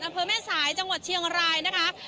อำเภอแม่สายจังหวัดเชียงรายนะคะ